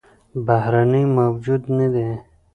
بهرنى موجود نه دى